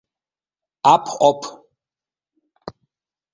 Ab op.